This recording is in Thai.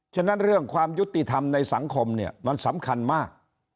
ฉะนั้นเรื่องความยุติธรรมในสังคมเนี่ยมันสำคัญมาก